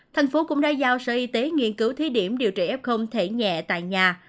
thành phố cũng đã giao sở y tế nghiên cứu thí điểm điều trị f thể nhẹ tại nhà